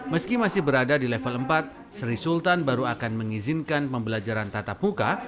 meski masih berada di level empat sri sultan baru akan mengizinkan pembelajaran tatap muka